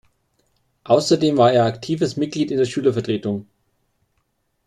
Außerdem war er aktives Mitglied in der Schülervertretung.